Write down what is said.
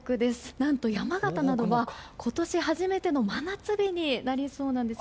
何と山形などは今年初めての真夏日になりそうなんです。